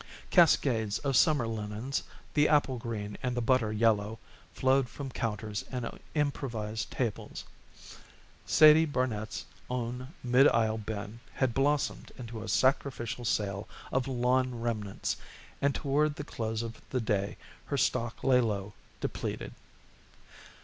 Cascades of summer linens, the apple green and the butter yellow, flowed from counters and improvised tables. Sadie Barnet's own mid aisle bin had blossomed into a sacrificial sale of lawn remnants, and toward the close of the day her stock lay low, depleted.